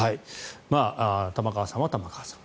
玉川さんは玉川さん。